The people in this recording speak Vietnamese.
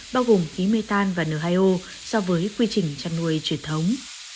bao gồm khí mê tan và n hai o so với quy trình chăn nuôi truyền thống